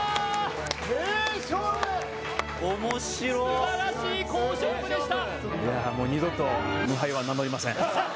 すばらしい好勝負でした。